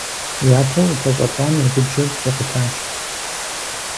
Япэу къыпэщӀэхуам и губжьыр трикъутащ.